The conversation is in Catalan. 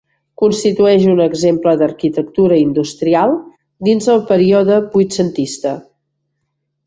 Constitueix un exemple d'arquitectura industrial dins el període vuitcentista.